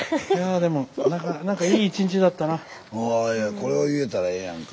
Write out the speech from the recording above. これを言えたらええやんか。